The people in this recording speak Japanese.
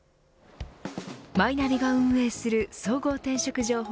マイナビが運営する総合転職情報